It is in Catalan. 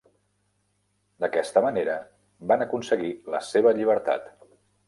D'aquesta manera van aconseguir la seva llibertat.